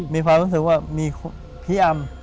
มีความรู้สึกว่ามีพี่อำ